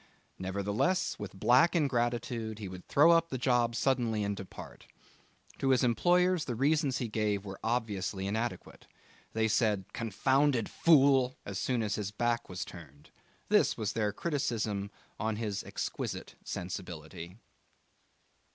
Nevertheless, with black ingratitude he would throw up the job suddenly and depart. To his employers the reasons he gave were obviously inadequate. They said 'Confounded fool!' as soon as his back was turned. This was their criticism on his exquisite sensibility.